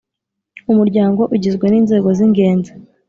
Umuryango ugizwe n inzego z ingenzi